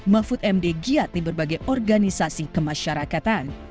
mahfud md giat di berbagai organisasi kemasyarakatan